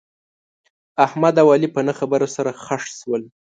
احمد او علي په نه خبره سره خښ شول.